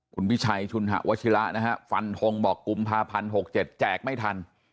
คุณวิชัยชุนหะวชิละนะฟันธงบอกกุมภาพพันธุ์หกเจ็ดแจกไม่ทัน